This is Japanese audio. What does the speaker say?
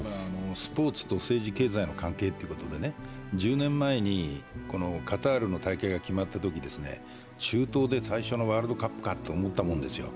スポーツと政治・経済の関係ということで１０年前にカタールの大会が決まったとき、中東で最初のワールドカップかと思ったんですよ。